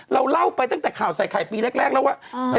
เราเล่าไปตั้งแต่ข่าวใส่ไข่ปีแรกแล้วว่า